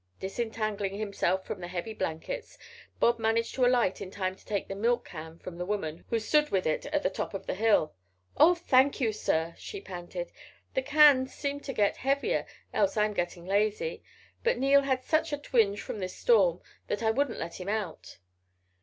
Disentangling himself from the heavy blankets, Bob managed to alight in time to take the milk can from the woman, who stood with it at the top of the hill. "Oh, thank you, sir!" she panted. "The cans seem to get heavier, else I am getting lazy. But Neil had such a twinge, from this storm, that I wouldn't let him out."